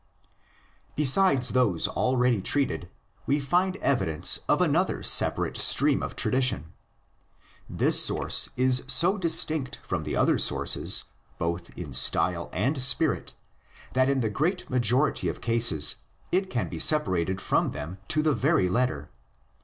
BESIDES those already treated we find evidence of another separate stream of tradition. This source is so distinct from the other sources both in style and spirit that in the great majority of cases it can be separated from them to the very letter.